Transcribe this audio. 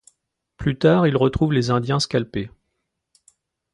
Plus tard, il retrouve les Indiens scalpés.